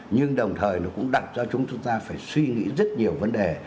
nhưng đồng thời nó cũng đặt cho chúng ta phải suy nghĩ rất nhiều vấn đề